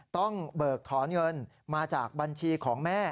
เบิกถอนเงินมาจากบัญชีของแม่